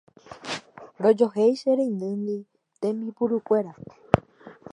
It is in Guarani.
rojohéi che reindyndi tembipurukuéra